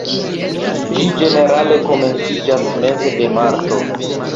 Ĝi ĝenerale komenciĝas meze de marto.